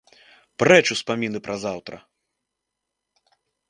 Прэч успаміны пра заўтра.